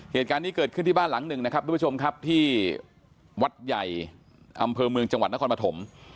เหตุการณ์นี้เกิดขึ้นที่บ้านหลังหนึ่งนะครับทุกผู้ชมครับที่วัดใหญ่อำเภอเมืองจังหวัดนครปฐม